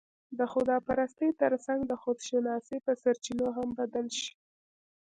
د خدا پرستۍ تر څنګ، د خودشناسۍ په سرچينو هم بدل شي